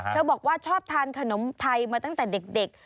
บอกว่าชอบทานขนมไทยมาตั้งแต่เด็ก